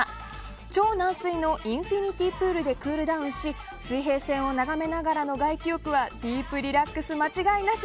超軟水のインフィニティプールでクールダウンし水平線を眺めながらの外気浴はディープリラックス間違いなし！